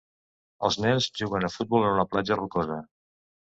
Els nens juguen a futbol en una platja rocosa.